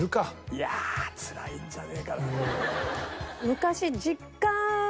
いやつらいんじゃねえかな。